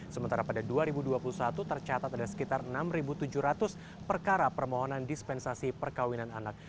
sementara pada dua ribu dua puluh satu tercatat ada sekitar enam tujuh ratus perkara permohonan dispensasi perkawinan anak